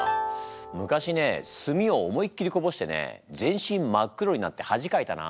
昔ねすみを思いっきりこぼしてね全身真っ黒になってはじかいたな。